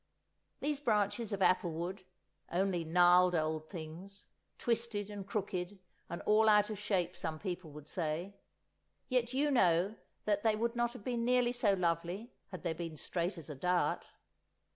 These branches of apple wood, only gnarled old things, twisted and crooked and all out of shape some people would say; yet you know that they would not have been nearly so lovely had they been straight as a dart.